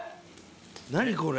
何これ！